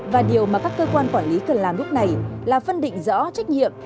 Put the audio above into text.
và điều mà các cơ quan quản lý cần làm lúc này là phân định rõ trách nhiệm